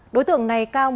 đối tượng này cao